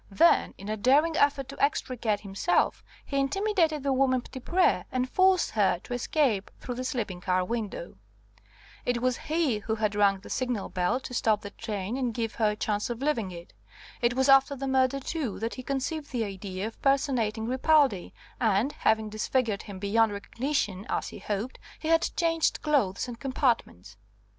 Then, in a daring effort to extricate himself, he intimidated the woman Petitpré, and forced her to escape through the sleeping car window. It was he who had rung the signal bell to stop the train and give her a chance of leaving it. It was after the murder, too, that he conceived the idea of personating Ripaldi, and, having disfigured him beyond recognition, as he hoped, he had changed clothes and compartments.